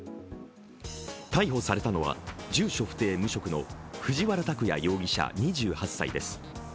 逮捕されたのは住所不定・無職の藤原拓哉容疑者２８歳です。